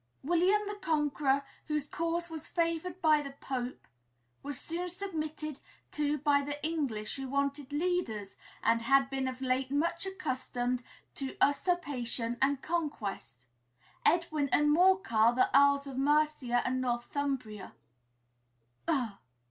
'William the Conqueror, whose cause was favored by the pope, was soon submitted to by the English, who wanted leaders, and had been of late much accustomed to usurpation and conquest. Edwin and Morcar, the Earls of Mercia and Northumbria' " "Ugh!"